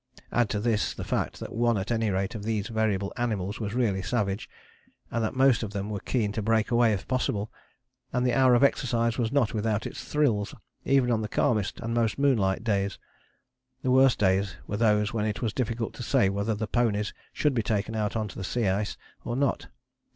Add to this the fact that one at any rate of these variable animals was really savage, and that most of them were keen to break away if possible, and the hour of exercise was not without its thrills even on the calmest and most moonlight days. The worst days were those when it was difficult to say whether the ponies should be taken out on the sea ice or not.